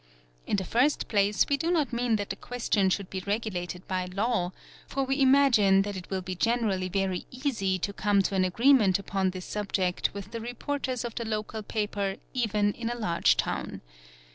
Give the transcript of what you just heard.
It the first place we do not mean that the question should be regulate by law, for we imagine that it will be generally very easy to come to a agreement upon this subject with the reporters of the local paper even in" a large town.